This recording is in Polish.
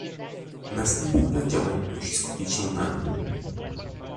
Następny plan działań musi skupiać się na